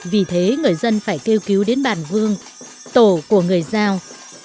vì thế người dân phải kêu cứu đến bàn vương tổ của người giao